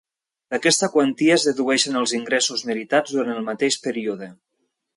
D'aquesta quantia es dedueixen els ingressos meritats durant el mateix període.